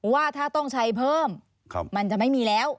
ว่าถ้าต้องใช้เพิ่มมันจะไม่มีแล้ว